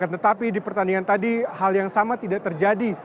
tetapi di pertandingan tadi hal yang sama tidak terjadi